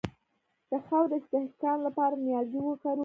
د خاورې د استحکام لپاره نیالګي وکرو.